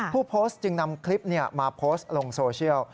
ผู้โพสต์จึงนำคลิปมาโพสต์ลงโซเชียล